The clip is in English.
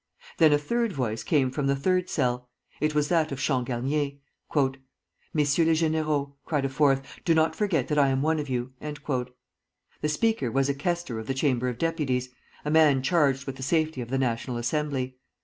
Then a third voice came from the third cell. It was that of Changarnier. "Messieurs les Généraux," cried a fourth, "do not forget that I am one of you." The speaker was a quoestor of the Chamber of Deputies, a man charged with the safety of the National Assembly.